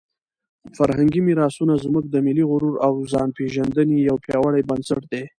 فرهنګي میراثونه زموږ د ملي غرور او د ځانپېژندنې یو پیاوړی بنسټ دی.